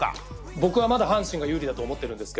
僕はまだ阪神が有利だと思っていますが